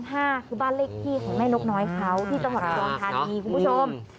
คือบ้านเล็กที่ของแม่นกน้อยเขาที่ตรฐานทางนี้คุณผู้ชม